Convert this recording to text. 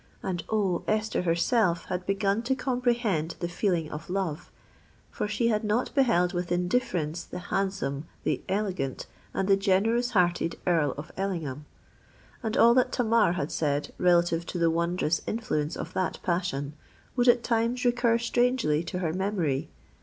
And, oh! Esther herself had begun to comprehend the feeling of love; for she had not beheld with indifference the handsome—the elegant—and the generous hearted Earl of Ellingham;—and all that Tamar had said relative to the wondrous influence of that passion, would at times recur strangely to her memory.